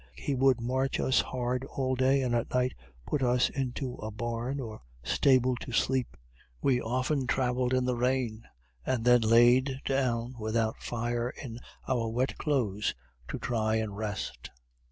He would march us hard all day, and at night put us into a barn or stable to sleep. We often travelled in the rain, and then laid down without fire in our wet clothes to try and rest.